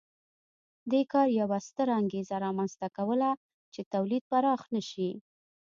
دې کار یوه ستره انګېزه رامنځته کوله چې تولید پراخ نه شي